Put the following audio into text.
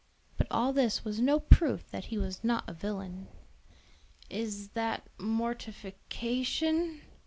But all this was no proof that he was not a villain. "Is that mortification?"